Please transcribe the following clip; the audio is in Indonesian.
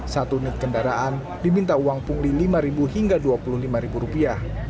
satu unit kendaraan diminta uang pungli lima ribu hingga dua puluh lima ribu rupiah